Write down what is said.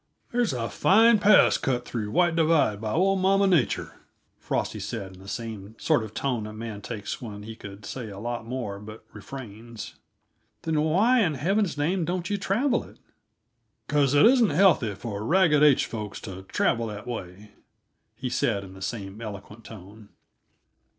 "There's a fine pass cut through White Divide by old Mama Nature," Frosty said, in the sort of tone a man takes when he could say a lot more, but refrains. "Then why in Heaven's name don't you travel it?" "Because it isn't healthy for Ragged H folks to travel that way," he said, in the same eloquent tone.